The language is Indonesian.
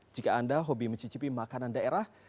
jika anda hobi mencicipi makanan daerah